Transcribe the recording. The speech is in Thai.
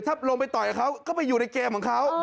ถ้าลงไปต่อยเขาก็ไปอยู่ในเกมของเขา